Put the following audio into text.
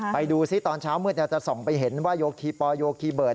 ไปดูซิตอนเช้ามืดจะส่องไปเห็นว่าโยคีปอลโยคีเบิร์